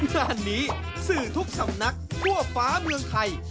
งานนี้สื่อทุกสำนักทั่วฟ้าเมืองไทย